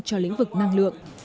cho lĩnh vực năng lượng